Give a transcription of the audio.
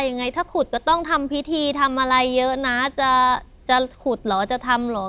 ยังไงถ้าขุดก็ต้องทำพิธีทำอะไรเยอะนะจะขุดเหรอจะทำเหรอ